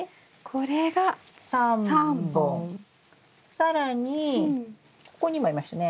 更にここにもありましたね。